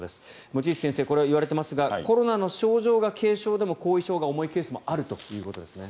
望月先生これは言われていますがコロナの症状が軽症でも後遺症が重いケースもあるということですね。